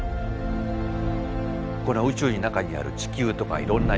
この宇宙の中にある地球とかいろんな生き物。